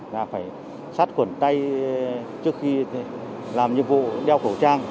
là phải sát khuẩn tay trước khi làm nhiệm vụ đeo khẩu trang